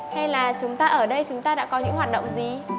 hay là chúng ta ở đây chúng ta đã có những hoạt động gì